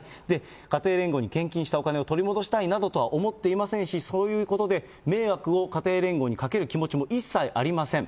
家庭連合に献金したお金を取り戻したいなどと思っていませんし、そういうことで迷惑を家庭連合にかける気持ちも一切ありません。